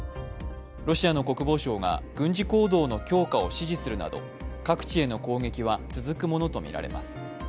ロシアの国防相が軍事行動の強化を指示するなど各地への攻撃は続くものとみられます。